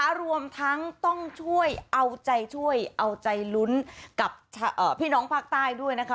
รวมทั้งต้องช่วยเอาใจช่วยเอาใจลุ้นกับพี่น้องภาคใต้ด้วยนะคะ